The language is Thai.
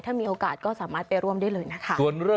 ถ้ามีโอกาสก็สามารถไปร่วมได้เลยนะคะ